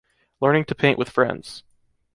learning to paint with friends